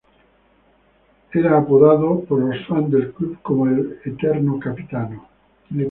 Era apodado por los fans del club como "Il Eterno Capitano".